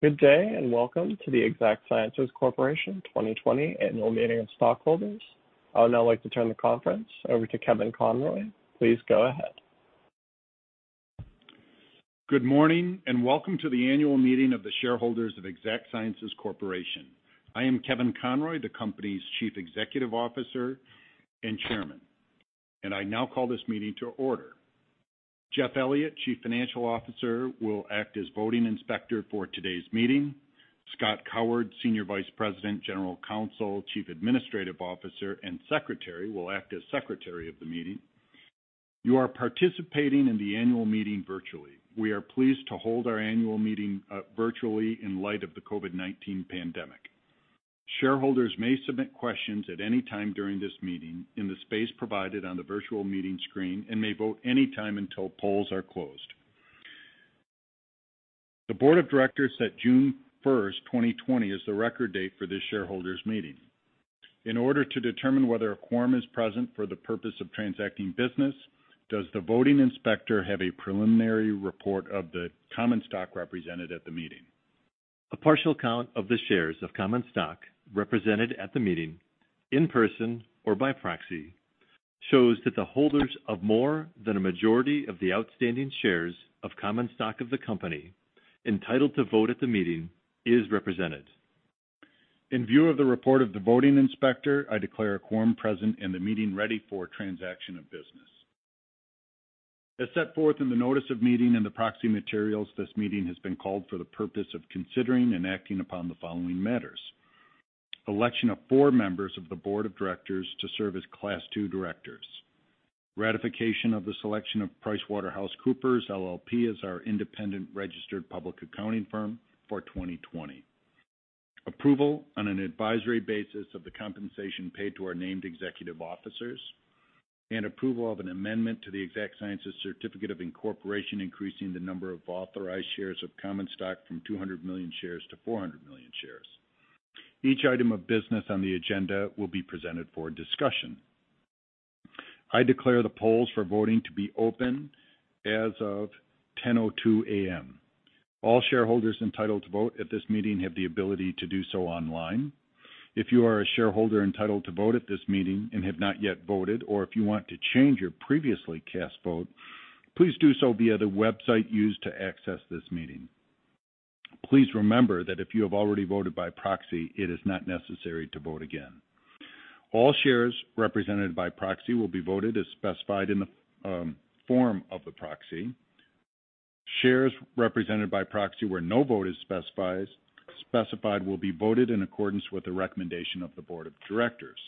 Good day. Welcome to the Exact Sciences Corporation 2020 Annual Meeting of Stockholders. I would now like to turn the conference over to Kevin Conroy. Please go ahead. Good morning, welcome to the annual meeting of the shareholders of Exact Sciences Corporation. I am Kevin Conroy, the company's Chief Executive Officer and Chairman, and I now call this meeting to order. Jeff Elliott, Chief Financial Officer, will act as voting inspector for today's meeting. Scott Coward, Senior Vice President, General Counsel, Chief Administrative Officer, and Secretary, will act as secretary of the meeting. You are participating in the annual meeting virtually. We are pleased to hold our annual meeting virtually in light of the COVID-19 pandemic. Shareholders may submit questions at any time during this meeting in the space provided on the virtual meeting screen and may vote any time until polls are closed. The board of directors set June 1st, 2020, as the record date for this shareholders' meeting. In order to determine whether a quorum is present for the purpose of transacting business, does the voting inspector have a preliminary report of the common stock represented at the meeting? A partial count of the shares of common stock represented at the meeting, in person or by proxy, shows that the holders of more than a majority of the outstanding shares of common stock of the company entitled to vote at the meeting is represented. In view of the report of the voting inspector, I declare a quorum present and the meeting ready for transaction of business. As set forth in the notice of meeting and the proxy materials, this meeting has been called for the purpose of considering and acting upon the following matters: election of four members of the board of directors to serve as Class II directors. Ratification of the selection of PricewaterhouseCoopers LLP as our independent registered public accounting firm for 2020. Approval on an advisory basis of the compensation paid to our named executive officers. Approval of an amendment to the Exact Sciences Certificate of Incorporation, increasing the number of authorized shares of common stock from 200 million shares to 400 million shares. Each item of business on the agenda will be presented for discussion. I declare the polls for voting to be open as of 10:02 A.M. All shareholders entitled to vote at this meeting have the ability to do so online. If you are a shareholder entitled to vote at this meeting and have not yet voted, or if you want to change your previously cast vote, please do so via the website used to access this meeting. Please remember that if you have already voted by proxy, it is not necessary to vote again. All shares represented by proxy will be voted as specified in the form of the proxy. Shares represented by proxy where no vote is specified will be voted in accordance with the recommendation of the board of directors.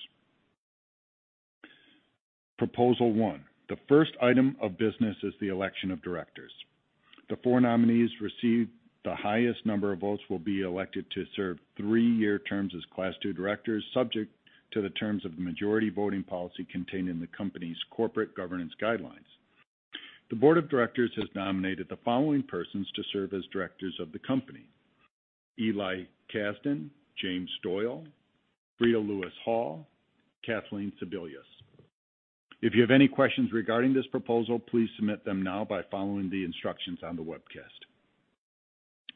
Proposal 1. The first item of business is the election of directors. The four nominees received the highest number of votes will be elected to serve three-year terms as Class II directors, subject to the terms of the majority voting policy contained in the company's corporate governance guidelines. The board of directors has nominated the following persons to serve as directors of the company: Eli Casdin, James Doyle, Freda Lewis-Hall, Kathleen Sebelius. If you have any questions regarding this proposal, please submit them now by following the instructions on the webcast.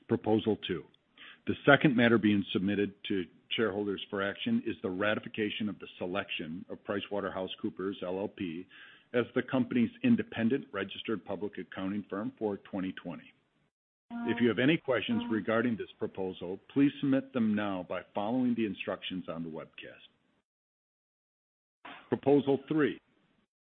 Proposal 2. The second matter being submitted to shareholders for action is the ratification of the selection of PricewaterhouseCoopers LLP as the company's independent registered public accounting firm for 2020. If you have any questions regarding this proposal, please submit them now by following the instructions on the webcast. Proposal 3.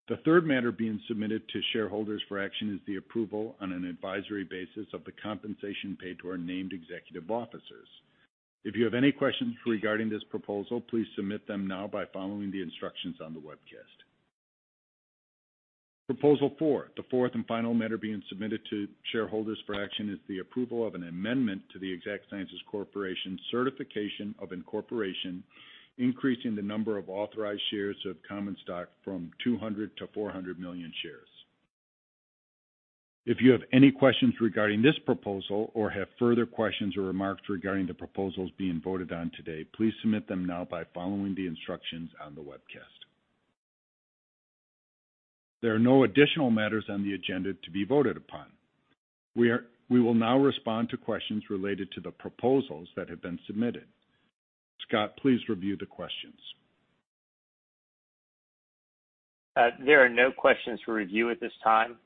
The third matter being submitted to shareholders for action is the approval on an advisory basis of the compensation paid to our named executive officers. If you have any questions regarding this proposal, please submit them now by following the instructions on the webcast. Proposal 4. The fourth and final matter being submitted to shareholders for action is the approval of an amendment to the Exact Sciences Corporation Certificate of Incorporation, increasing the number of authorized shares of common stock from 200 to 400 million shares. If you have any questions regarding this proposal or have further questions or remarks regarding the proposals being voted on today, please submit them now by following the instructions on the webcast. There are no additional matters on the agenda to be voted upon. We will now respond to questions related to the proposals that have been submitted. Scott, please review the questions. There are no questions to review at this time.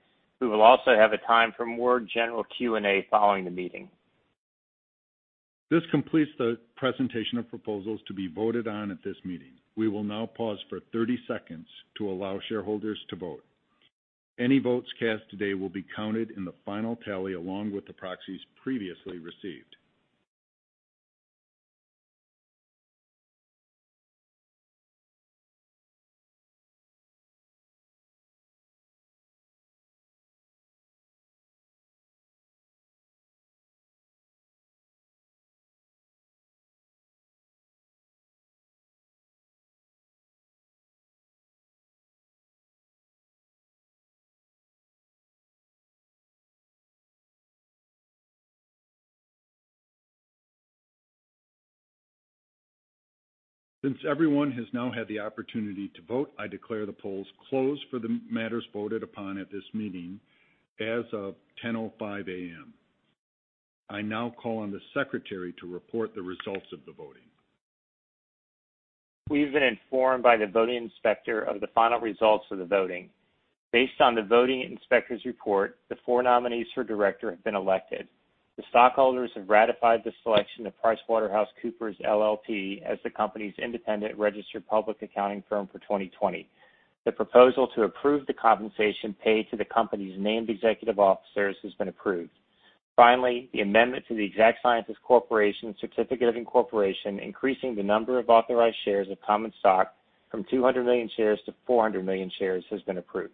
We will also have a time for more general Q&A following the meeting. This completes the presentation of proposals to be voted on at this meeting. We will now pause for 30 seconds to allow shareholders to vote. Any votes cast today will be counted in the final tally along with the proxies previously received. Since everyone has now had the opportunity to vote, I declare the polls closed for the matters voted upon at this meeting as of 10:05 A.M. I now call on the Secretary to report the results of the voting. We've been informed by the voting inspector of the final results of the voting. Based on the voting inspector's report, the four nominees for director have been elected. The stockholders have ratified the selection of PricewaterhouseCoopers LLP as the company's independent registered public accounting firm for 2020. The proposal to approve the compensation paid to the company's named executive officers has been approved. Finally, the amendment to the Exact Sciences Corporation Certificate of Incorporation, increasing the number of authorized shares of common stock from 200 million shares to 400 million shares, has been approved.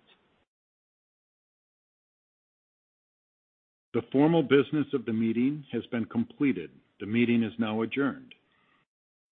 The formal business of the meeting has been completed. The meeting is now adjourned.